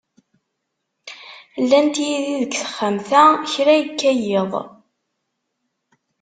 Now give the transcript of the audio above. Llant yid-i deg texxamt-a, kra yekka yiḍ.